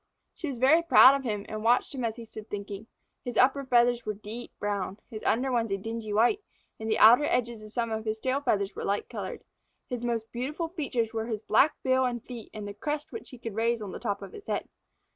She was very proud of him, and watched him as he stood thinking. His upper feathers were deep brown, his under ones a dingy white, and the outer edges of some of his tail feathers were light colored. His most beautiful features were his black bill and feet and the crest which he could raise on the top of his head.